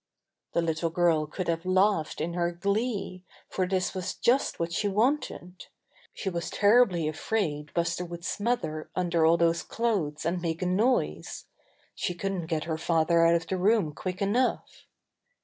The little girl could have laughed in her glee, for this was just what she wanted. She was terribly afraid Buster would smother un der all those clothes and make a noise. She couldn't get her father out of the room quick enough.